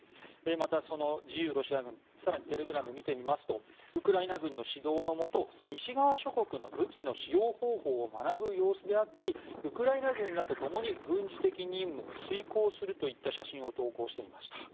またその自由ロシア軍更にテレグラムを見てみますとウクライナ軍の指導のもと西側諸国の武器の使用方法を学ぶ様子であったりウクライナ軍らとともに軍事的任務を遂行するといった写真を投稿していました。